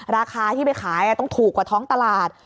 ราคาที่ไปขายต้องถูกกว่าท้องตลาด